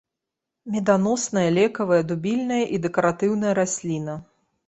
Меданосная, лекавая, дубільная і дэкаратыўная расліна.